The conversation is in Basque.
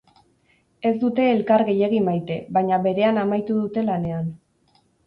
Ez dute elkar gehiegi maite, baina berean amaitu dute lanean.